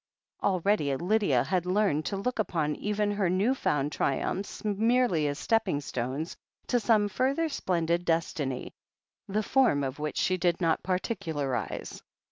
Already Lydia had learnt to look upon even her new found triumphs merely as stepping stones to some fur ther splendid destiny, the form of which she did not particularize.